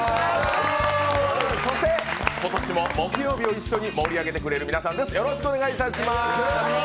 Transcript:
そして今年も木曜日を一緒に盛り上げてくれる皆さんです。